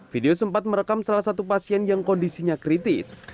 video sempat merekam salah satu pasien yang kondisinya kritis